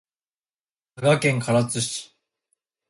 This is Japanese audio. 佐賀県唐津市